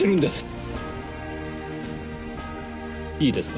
いいですか？